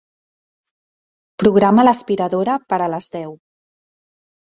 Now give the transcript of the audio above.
Programa l'aspiradora per a les deu.